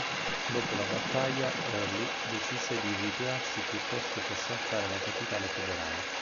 Dopo la battaglia, Early decise di ritirarsi piuttosto che assaltare la capitale federale.